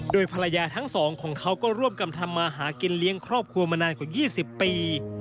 โดยภรรยาทั้งสองของเขาก็ร่วมกันทำมาหากินเลี้ยงครอบครัวมานานกว่า๒๐ปี